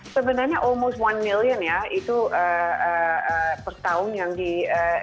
sebenarnya almost satu million ya itu per tahun yang diperlukan